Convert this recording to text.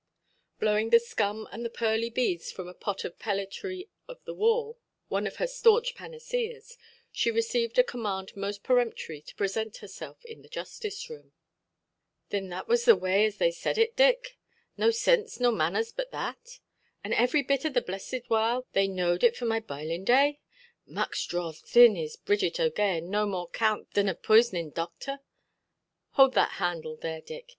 Blowing the scum and the pearly beads from a pot of pellitory of the wall (one of her staunch panaceas), she received a command most peremptory to present herself in the justice–room. "Thin was that the way as they said it, Dick? No sinse nor manners but that! An' every bit of the blessed while they knowed it for my bilinʼ–day! Muckstraw, thin, is Bridget OʼGaghan no more count than a pisonin' doctor? Hould that handle there, Dick.